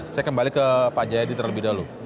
saya kembali ke pak jayadi terlebih dahulu